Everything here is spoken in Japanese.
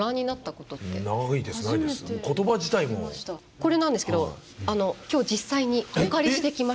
これなんですけど今日実際にお借りしてきました。